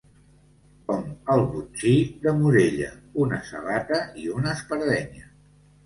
Com el botxí de Morella: una sabata i una espardenya.